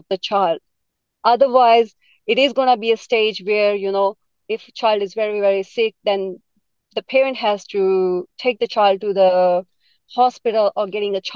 mengeluarkan anak yang sakit dari pusat penitiban anak